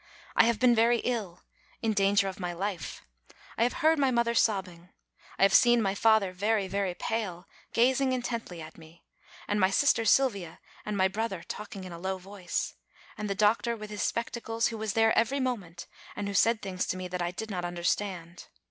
I have been very ill in danger of my life. I have heard my mother sobbing I have seen my father very, very pale, gazing intently at me; and my sister Sylvia and my brother talking in a low voice ; and the doctor, with his spectacles, who was there every moment, and who said things to me that I did not understand.